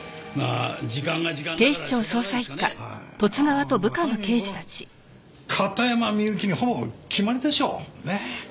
この片山みゆきにほぼ決まりでしょうねえ。